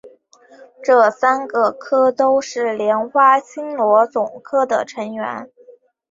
这三个科都是莲花青螺总科的成员。